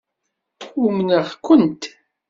Umneɣ-kent.